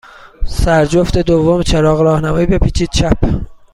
سر جفت دوم چراغ راهنمایی، بپیچید چپ.